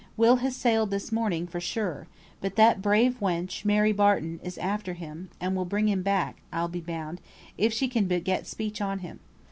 "Will has sailed this morning for sure, but that brave wench, Mary Barton, is after him, and will bring him back, I'll be bound, if she can but get speech on him.